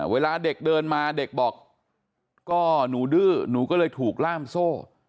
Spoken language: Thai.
เวลาเด็กเดินมาเด็กบอกก็หนูดื้อหนูก็เลยถูกล่ามโซ่